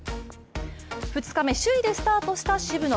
２日目、首位でスタートした渋野。